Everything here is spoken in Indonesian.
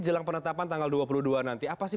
jelang penetapan tanggal dua puluh dua nanti apa sih